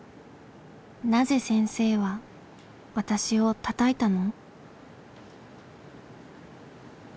「なぜ先生は私をたたいたの？」。